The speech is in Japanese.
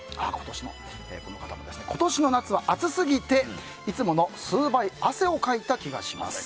今年の夏は暑すぎていつもの数倍汗をかいた気がします。